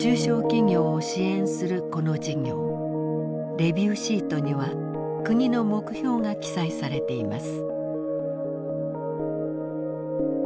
レビューシートには国の目標が記載されています。